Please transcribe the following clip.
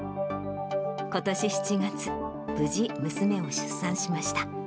ことし７月、無事、娘を出産しました。